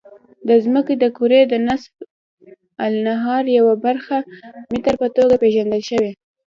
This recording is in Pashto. د ځمکې د کرې د نصف النهار یوه برخه متر په توګه پېژندل شوې.